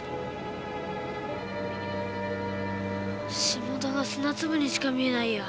下田が砂粒にしか見えないや。